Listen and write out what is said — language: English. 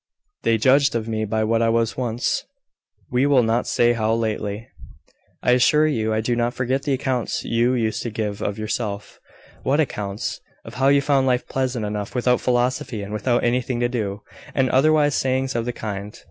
They judged of me by what I was once... We will not say how lately." "I assure you I do not forget the accounts you used to give of yourself." "What accounts?" "Of how you found life pleasant enough without philosophy and without anything to do... and other wise sayings of the kind."